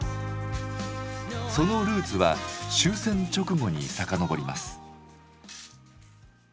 そのルーツは終戦直後に遡ります。